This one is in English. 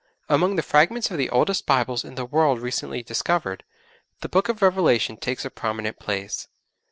Among the fragments of the oldest Bibles in the world recently discovered, the Book of Revelation takes a prominent place.